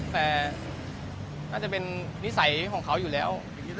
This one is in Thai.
แต่น่าจะเป็นนิสัยของเขาอยู่แล้ว